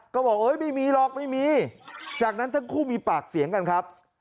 ก็บอกเอ้ยไม่มีหรอกไม่มีจากนั้นทั้งคู่มีปากเสียงกันครับ